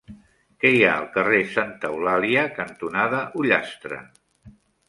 Què hi ha al carrer Santa Eulàlia cantonada Ullastre?